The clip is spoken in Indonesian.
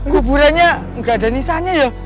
keburannya enggak ada nisanya ya